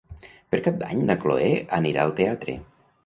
Per Cap d'Any na Cloè anirà al teatre.